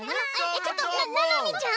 えっちょっとななみちゃん！